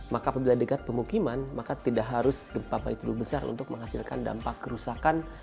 maka bila dekat pemukiman maka tidak harus gempa gempanya terlalu besar untuk menghasilkan dampak kerusakan